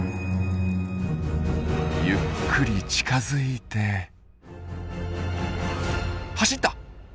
ゆっくり近づいて走った！